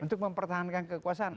untuk mempertahankan kekuasaan